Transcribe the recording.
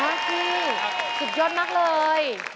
ถูกยกทีสุดยอดมากเลย